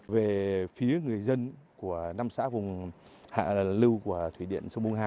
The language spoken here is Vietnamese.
về phía người dân của năm xã vùng hạ lưu của thủy điện sông bung hai